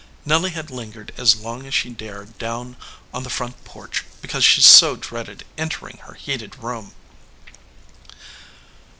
Nelly had lingered as long as she dared down on the front porch because she so dreaded entering her heated room.